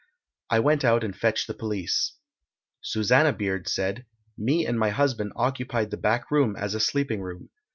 I went out and fetched the police. Susannah Beard said: Me and my husband occupied the back room as a sleeping room.